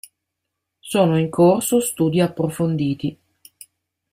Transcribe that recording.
Sono in corso studi approfonditi.